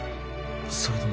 それとも。